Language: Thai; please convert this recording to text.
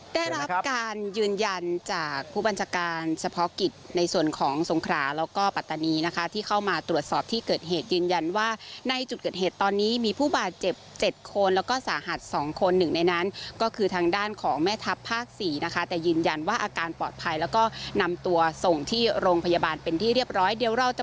ได้รับการยืนยันจากผู้บัญชาการเฉพาะกิจในส่วนของสงขราแล้วก็ปัตตานีนะคะที่เข้ามาตรวจสอบที่เกิดเหตุยืนยันว่าในจุดเกิดเหตุตอนนี้มีผู้บาดเจ็บ๗คนแล้วก็สาหัส๒คนหนึ่งในนั้นก็คือทางด้านของแม่ทัพภาค๔นะคะแต่ยืนยันว่าอาการปลอดภัยแล้วก็นำตัวส่งที่โรงพยาบาลเป็นที่เรียบร้อยเดี๋ยวเราจะ